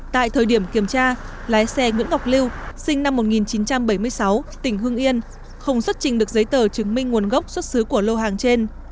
tại thời điểm kiểm tra lái xe nguyễn ngọc lưu sinh năm một nghìn chín trăm bảy mươi sáu tỉnh hưng yên không xuất trình được giấy tờ chứng minh nguồn gốc xuất xứ của lô hàng trên